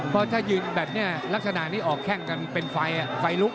เพราะถ้ายืนแบบนี้ลักษณะนี้ออกแข้งกันเป็นไฟไฟลุก